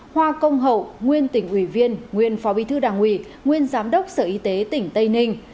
hoa công hậu nguyên tỉnh ủy viên nguyên phó bí thư đảng ủy nguyên giám đốc sở y tế tỉnh tây ninh